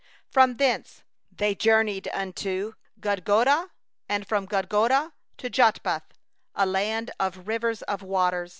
7From thence they journeyed unto Gudgod; and from Gudgod to Jotbah, a land of brooks of water.